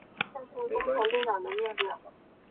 没关系，没事就好